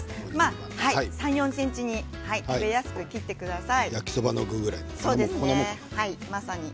３、４ｃｍに食べやすく切ってください。